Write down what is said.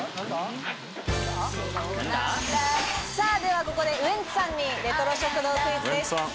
ではウエンツさんにレトロ食堂クイズです。